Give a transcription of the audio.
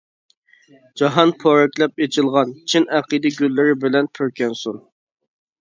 جاھان پورەكلەپ ئېچىلغان چىن ئەقىدە گۈللىرى بىلەن پۈركەنسۇن!